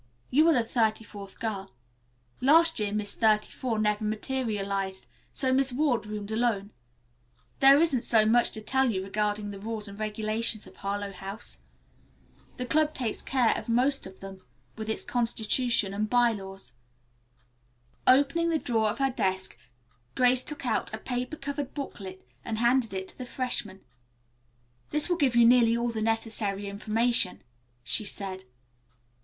You are the thirty fourth girl. Last year Miss Thirty four never materialized, so Miss Ward roomed alone. There isn't so so much to tell you regarding the rules and regulations of Harlowe House. The club takes care of most of them with its constitution and by laws." Opening a drawer of her desk, Grace took out a paper covered booklet and handed it to the freshman. "This will give you nearly all the necessary information," she said.